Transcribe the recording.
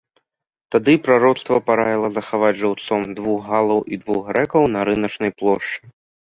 Тады прароцтва параіла захаваць жыўцом двух галаў і двух грэкаў на рыначнай плошчы.